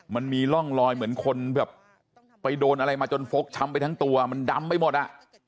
มันมีร่องรอยเหมือนคนแบบไปโดนอะไรมาจนฟกช้ำไปทั้งตัวมันดำไปหมดอ่ะ